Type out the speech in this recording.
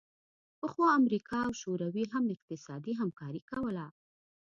پخوا امریکا او شوروي هم اقتصادي همکاري کوله